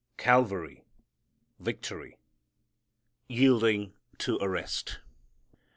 Calvary: Victory Yielding to Arrest.